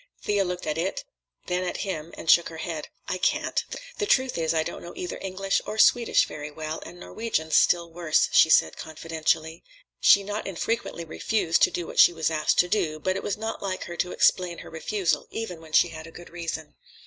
Thea looked at it, then at him, and shook her head. "I can't. The truth is I don't know either English or Swedish very well, and Norwegian's still worse," she said confidentially. She not infrequently refused to do what she was asked to do, but it was not like her to explain her refusal, even when she had a good reason.